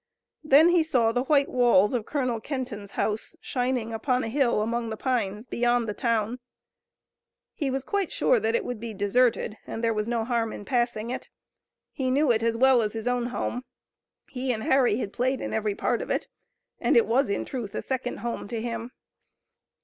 Then he saw the white walls of Colonel Kenton's house shining upon a hill among the pines beyond the town. He was quite sure that it would be deserted, and there was no harm in passing it. He knew it as well as his own home. He and Harry had played in every part of it, and it was, in truth, a second home to him.